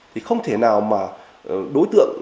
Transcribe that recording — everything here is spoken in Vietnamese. thì không thể nào mà đối tượng